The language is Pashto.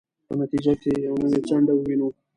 په نتیجه کې یوه نوې څنډه ووینو.